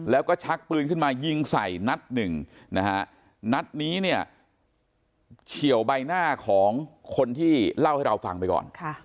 แล้วก็ชักปืนขึ้นมายิงใส่นัดหนึ่งนะฮะนัดนี้เนี่ยเฉียวใบหน้าของคนที่เล่าให้เราฟังไปก่อน